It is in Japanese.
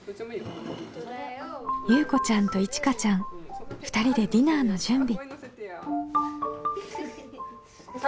ゆうこちゃんといちかちゃん２人でディナーの準備。